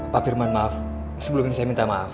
pak firman maaf sebelum ini saya minta maaf